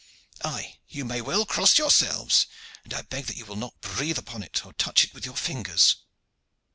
Aye, you may well cross yourselves, and I beg that you will not breathe upon it or touch it with your fingers."